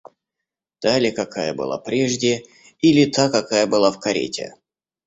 Та ли, какая была прежде, или та, какая была в карете?